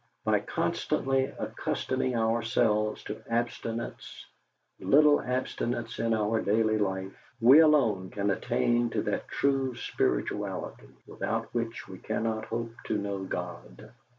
By constantly accustoming our selves to abstinence little abstinences in our daily life we alone can attain to that true spirituality without which we cannot hope to know God."